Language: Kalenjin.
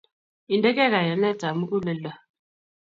Indegei kayanet ab muguleldo